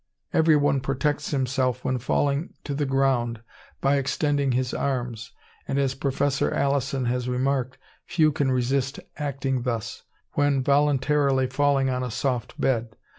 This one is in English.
Everyone protects himself when falling to the ground by extending his arms, and as Professor Alison has remarked, few can resist acting thus, when voluntarily falling on a soft bed.